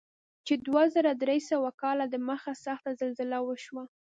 چې دوه زره درې سوه کاله دمخه سخته زلزله وشوه.